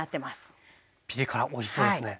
ピリ辛おいしそうですね。